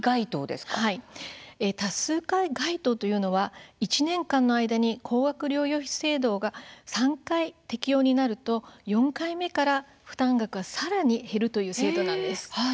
多数回該当というのは１年間の間に高額療養費制度が３回適用になると４回目からは負担額がさらに減るという制度なんです。